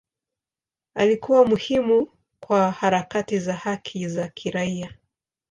Alikuwa muhimu kwa harakati za haki za kiraia.